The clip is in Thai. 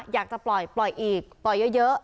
อยากจะปล่อยปล่อยอีกปล่อยเยอะ